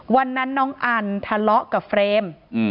วันนั้นน้องอันทะเลาะกับเฟรม